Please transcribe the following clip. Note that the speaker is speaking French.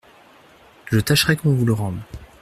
Je tâcherai qu'on vous le rende.